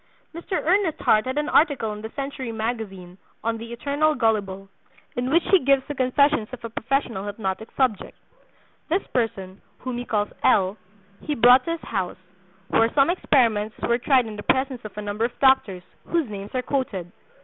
Mr. Ernest Hart had an article in the Century Magazine on "The Eternal Gullible," in which he gives the confessions of a professional hypnotic subject. This person, whom he calls L., he brought to his house, where some experiments were tried in the presence of a number of doctors, whose names are quoted.